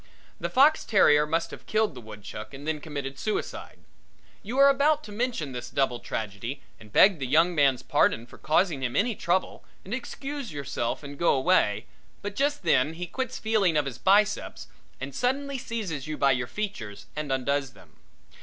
The fox terrier must have killed the woodchuck and then committed suicide. You are about to mention this double tragedy and beg the young man's pardon for causing him any trouble and excuse yourself and go away, but just then he quits feeling of his biceps and suddenly seizes you by your features and undoes them.